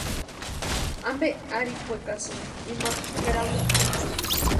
¿Ampe arhikwekasïnki ima kwʼeramu?